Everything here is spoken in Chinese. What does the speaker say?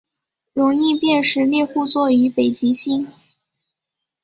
容易辨识猎户座与北极星